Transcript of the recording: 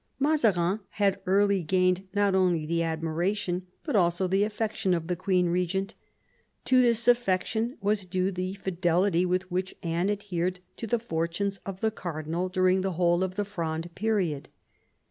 Mazarin had early gained not only the admiration, but also the afiection of the queen regent To this affection was due the fidelity with which Anne adhered to the fortunes of the cardinal during the whole of the Fronde period.